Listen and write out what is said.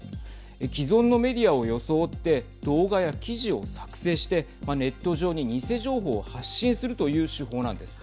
既存のメディアを装って動画や記事を作成してネット上に偽情報を発信するという手法なんです。